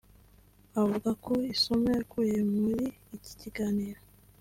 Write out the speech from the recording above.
Avuga ku isomo yakuye muri iki gitaramo